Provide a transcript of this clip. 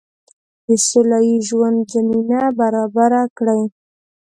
د سوله ییز ژوند زمینه برابره کړي.